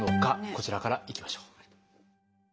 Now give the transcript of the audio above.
こちらからいきましょう。